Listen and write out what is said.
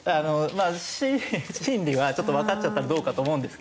まあ心理心理はちょっとわかっちゃったらどうかと思うんですけど。